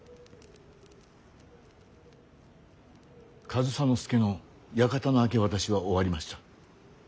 上総介の館の明け渡しは終わりました。